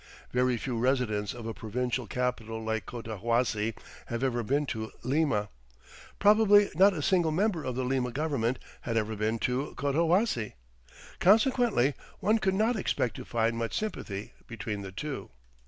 Very few residents of a provincial capital like Cotahuasi have ever been to Lima; probably not a single member of the Lima government had ever been to Cotahuasi. Consequently one could not expect to find much sympathy between the two.